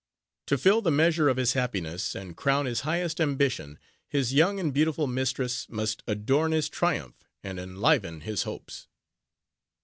To fill the measure of his happiness, and crown his highest ambition, his young and beautiful mistress must adorn his triumph, and enliven his hopes.